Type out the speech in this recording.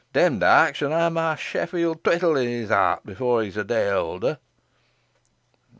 Demdike shan ha' mey Sheffield thwittle i' his heart 'efore he's a day older."